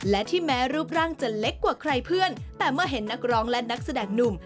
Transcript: และที่แม้รูปร่างจะเล็กกว่าใครเพื่อนแต่เมื่อเห็นนักร้องและนักแสดงหนุ่ม